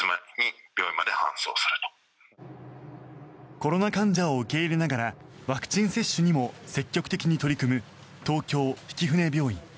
コロナ患者を受け入れながらワクチン接種にも積極的に取り組む東京曳舟病院。